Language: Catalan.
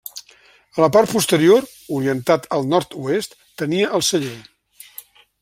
A la part posterior, orientat al nord-oest, tenia el celler.